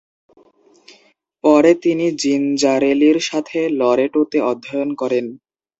পরে তিনি জিঞ্জারেলির সাথে লরেটোতে অধ্যয়ন করেন।